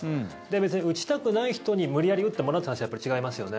別に打ちたくない人に無理やり打ってもらうって話はやっぱり違いますよね。